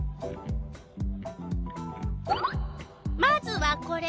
まずはこれ。